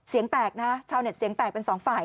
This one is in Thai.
เสียงแตกนะชาวเน็ตเสียงแตกเป็นสองฝ่าย